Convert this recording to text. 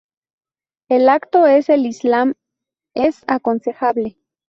El acto en el Islam es aconsejable.